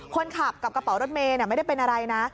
คนขับกับกระเป๋ารถเมย์ไม่ได้เป็นอะไรนะ